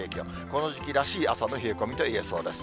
この時期らしい朝の冷え込みといえそうです。